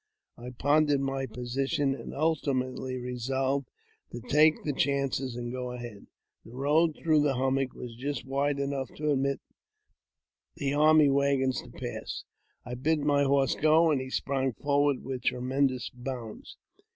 I pondered my position, and ultimately resolved to take the ■chances and go ahead. The road through the hummock was _ just wide enough to admit the army waggons to pass. I bidfll my horse go, and he sprung forward with tremendous bounds.